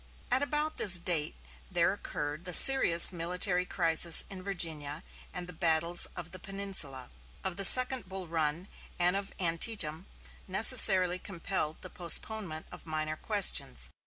At about this date there occurred the serious military crisis in Virginia; and the battles of the Peninsula, of the second Bull Run, and of Antietam necessarily compelled the postponement of minor questions.